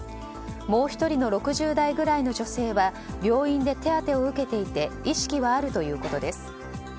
もう１人の６０代ぐらいの女性は病院で手当てを受けていて意識はあるということです。